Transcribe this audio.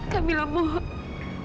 kami semua ingin menemani kamu